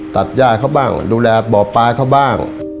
ตัดย่าเขาบ้างดูแลบ่อปลาเขาบ้าง